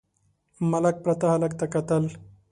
ملک پراته هلک ته کتل….